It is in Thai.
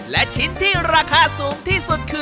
และชิ้นที่ราคาสูงที่สุดคือ